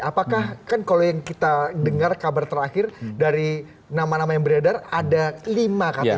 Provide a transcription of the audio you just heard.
apakah kan kalau yang kita dengar kabar terakhir dari nama nama yang beredar ada lima katanya